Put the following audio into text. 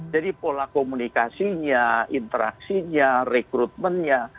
jadi pola komunikasinya interaksinya rekrutmennya